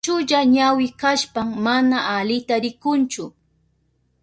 Chulla ñawi kashpan mana alita rikunchu.